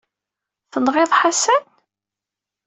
Tenɣiḍ Ḥasan?